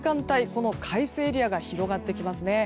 この快晴のエリアが広がってきますね。